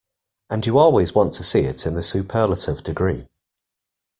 And you always want to see it in the superlative degree.